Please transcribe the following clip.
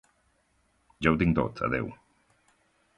Ja ho tinc tot, adeu.